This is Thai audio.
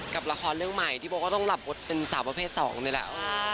กับละครเรื่องใหม่ที่บอกว่าต้องหลับรถเป็นสาวประเภท๒นี่แหละ